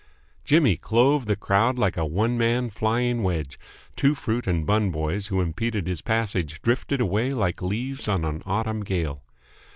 Jimmy clove the crowd like a one man flying wedge. Two fruit and bun boys who impeded his passage drifted away like leaves on an Autumn gale.